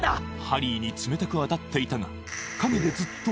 ハリーに冷たく当たっていたがずっと